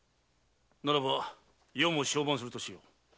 ならば余も相伴するとしよう。